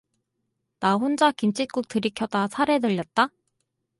나 혼자 김칫국 들이켜다 사레들렸다?